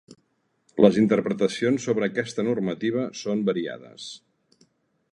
Les interpretacions sobre aquesta normativa són variades.